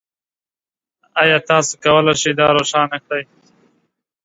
ایا تاسو کولی شئ دا روښانه کړئ؟